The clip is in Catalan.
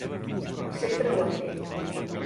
Sempre ho ha fet.